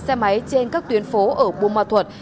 xe máy trên các tuyến phố ở bông môn thuật